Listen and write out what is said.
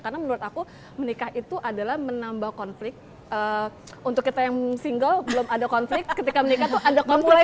karena menurut aku menikah itu adalah menambah konflik untuk kita yang single belum ada konflik ketika menikah tuh ada konflik